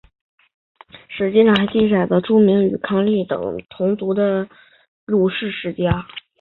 史籍中还记载了数支未注明与康武理等同族的那木都鲁氏世家。